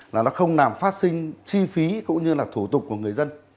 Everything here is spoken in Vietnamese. là nó không làm phát sinh chi phí cũng như là thủ tục của người dân